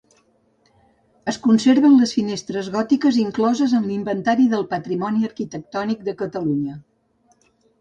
Es conserven les finestres gòtiques incloses en l'Inventari del Patrimoni Arquitectònic de Catalunya.